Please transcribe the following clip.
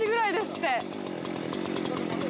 って！